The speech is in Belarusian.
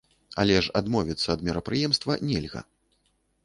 Але ж і адмовіцца ад мерапрыемства нельга.